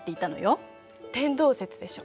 「天動説」でしょ？